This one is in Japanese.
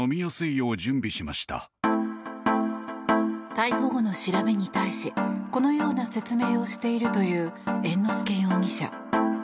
逮捕後の調べに対しこのような説明をしているという猿之助容疑者。